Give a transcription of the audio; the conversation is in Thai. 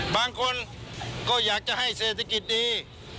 บางคนก็อยากจะให้เศรษฐกิจดี